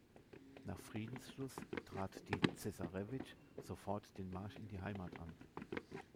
Nach Friedensschluss trat die "Zessarewitsch" sofort den Marsch in die Heimat an.